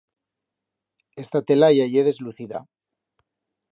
Esta tela ya ye deslucida.